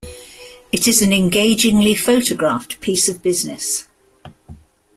It is an engagingly photographed piece of business.